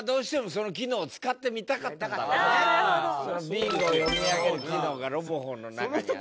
ビンゴ読み上げる機能がロボホンの中にあって。